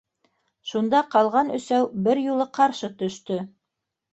Шунда ҡалған өсәү бер юлы ҡаршы төштө: